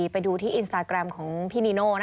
ไปดูที่อินสตาแกรมของพี่นีโน่